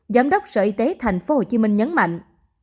giám đốc sở y tế tp hcm nhấn mạnh